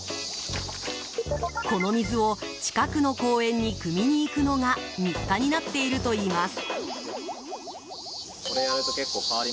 この水を近くの公園にくみに行くのが日課になっているといいます。